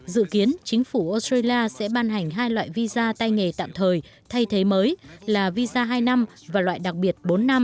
dự kiến chính phủ australia sẽ ban hành hai loại visa tay nghề tạm thời thay thế mới là visa hai năm và loại đặc biệt bốn năm